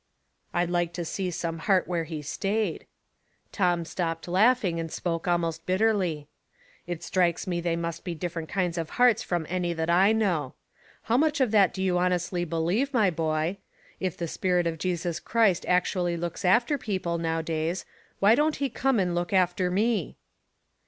*' I'd like to see some heart where he stayed." Tom stopped laughing and spoke almost bitterly. '* It strikes me they must be different kinds of hearts from any that I know. How much of that do you honestly believe, my boy ? If the spirit of Jesus Christ actually looks after people now days, why don't he come and look after me